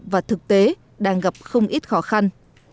và thực tế đang gặp không ít khó khăn